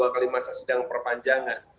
dua kali masa sidang perpanjangan